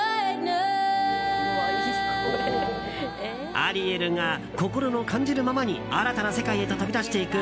アリエルが心の感じるままに新たな世界へと飛び出していく。